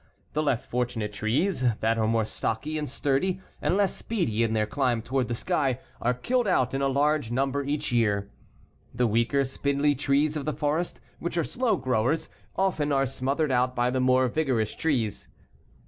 The less fortunate trees, that are more stocky and sturdy, and less speedy in their climb toward the sky, are killed out in large numbers each year. The weaker, spindly trees of the forest, which are slow growers, often are smothered out by the more vigorous trees.